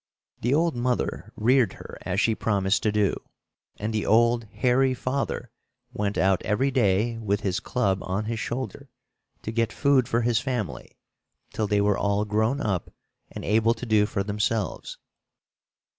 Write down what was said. The old mother reared her as she promised to do, and the old hairy father went out every day, with his club on his shoulder, to get food for his family, till they were all grown up and able to do for themselves.